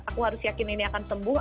aku harus yakin ini akan sembuh